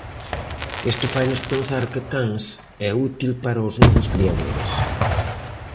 Isto fainos pensar que Cans é útil para os novos creadores.